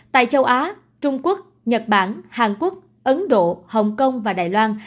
tại châu á trung quốc nhật bản hàn quốc ấn độ hồng kông và đài loan